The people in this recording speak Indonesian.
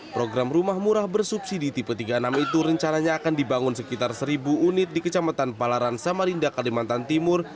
program rumah murah bersubsidi tipe tiga puluh enam itu rencananya akan dibangun sekitar seribu unit di kecamatan palaran samarinda kalimantan timur